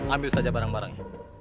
ambil saja barang barangnya